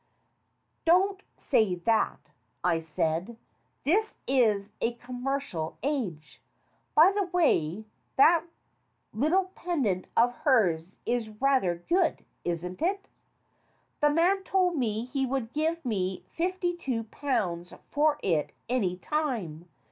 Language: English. "Don't say that," I said. "This is a commercial age. By the way, that little pendant of hers is rather good, isn't it?" "The man told me he would give me fifty two pounds for it any time.